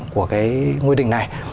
của cái ngôi đỉnh này